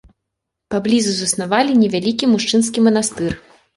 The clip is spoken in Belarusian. Паблізу заснавалі невялікі мужчынскі манастыр.